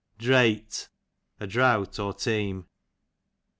Draight, a drought or team.